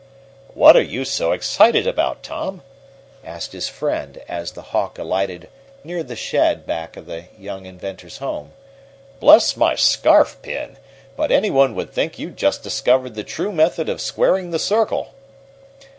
"What are you so excited about, Tom?" asked his friend, as the Hawk alighted near the shed Back of the young inventor's home. "Bless my scarf pin! but any one would think you'd just discovered the true method of squaring the circle."